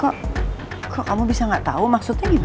kok kok kamu bisa gak tau maksudnya gimana